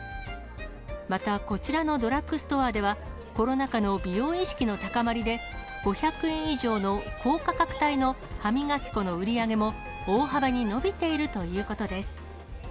また、こちらのドラッグストアでは、コロナ禍の美容意識の高まりで、５００円以上の高価格帯の歯磨き粉の売り上げも大幅に伸びているということです。